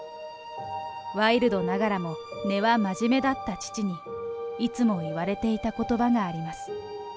ワイルドながらも根は真面目だった父に、いつも言われていたことばがあります。